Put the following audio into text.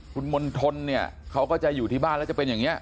คุณมณฑลเนี่ยเขาก็จะอยู่ที่บ้านแล้วจะเป็นอย่างนี้